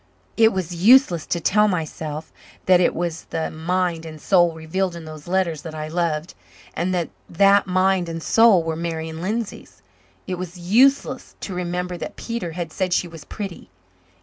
It was useless to tell myself that it was the mind and soul revealed in those letters that I loved, and that that mind and soul were Marian Lindsay's. It was useless to remember that Peter had said she was pretty.